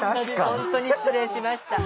ほんとに失礼しました。